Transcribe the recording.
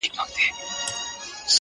موږ په اصل او نسب سره خپلوان یو!!